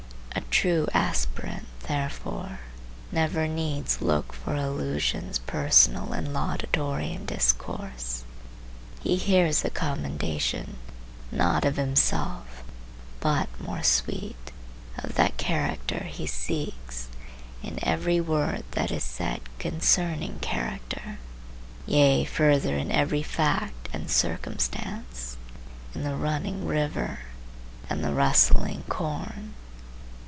A true aspirant therefore never needs look for allusions personal and laudatory in discourse. He hears the commendation, not of himself, but, more sweet, of that character he seeks, in every word that is said concerning character, yea further in every fact and circumstance,—in the running river and the rustling corn.